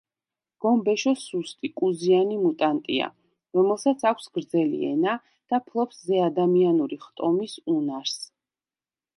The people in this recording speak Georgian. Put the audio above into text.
გომბეშო სუსტი, კუზიანი მუტანტია, რომელსაც აქვს გრძელი ენა და ფლობს ზეადამიანური ხტომის უნარს.